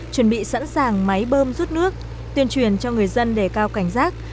chuẩn bị sẵn sàng máy bơm rút nước tuyên truyền cho người dân để cao cảnh giác